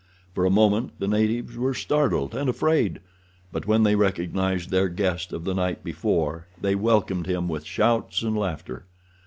For a moment the natives were startled and afraid, but when they recognized their guest of the night before they welcomed him with shouts and laughter.